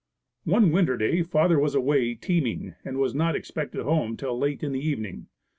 One winter day father was away teaming and was not expected home till late in the evening.